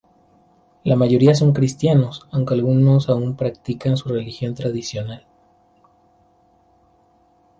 La mayoría son cristianos, aunque algunos aun practican su religión tradicional.